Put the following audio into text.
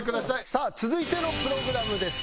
さあ続いてのプログラムです。